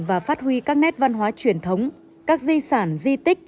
và phát huy các nét văn hóa truyền thống các di sản di tích